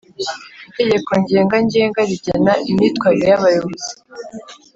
itegeko ngenga Ngenga rigena imyitwarire y Abayobozi